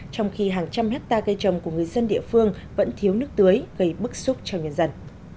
trong khi hàng trăm hectare cây trồng của người dân địa phương vẫn thiếu nước tưới gây bức xúc cho nhân dân